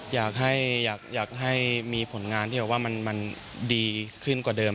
อยากให้มีผลงานที่แบบว่ามันดีขึ้นกว่าเดิม